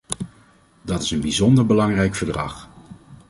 Dat is een bijzonder belangrijk verdrag.